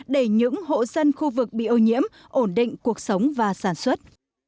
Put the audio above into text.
để những hộ dân khu vực bị ô nhiễm ổn định cuộc sống và sản xuất